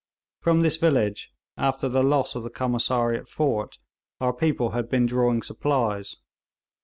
From this village, after the loss of the Commissariat fort, our people had been drawing supplies.